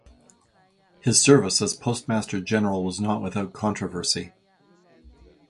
His service as Postmaster General was not without controversy.